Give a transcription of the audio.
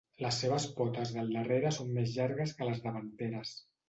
Les seves potes del darrere són més llargues que les davanteres.